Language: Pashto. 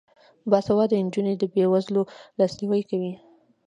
باسواده نجونې د بې وزلو لاسنیوی کوي.